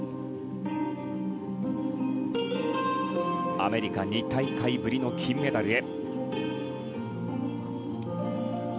アメリカ２大会ぶりの金メダルへ。